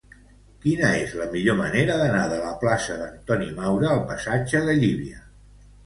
Quina és la millor manera d'anar de la plaça d'Antoni Maura al passatge de Llívia?